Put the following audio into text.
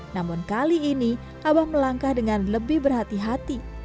namun kali ini abah melangkah dengan lebih berhati hati